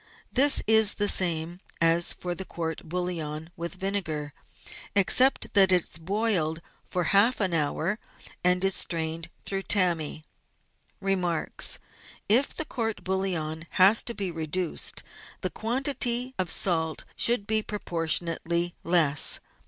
— This is the same as for the court bouillon with vinegar, except that it is boiled for half an hour and is strained through tammy. Remarks. — If the court bouillon has to be reduced the quantity of salt should be proportionately less.